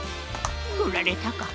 ふられたか。